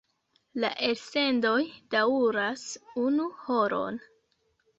La elsendoj daŭras unu horon.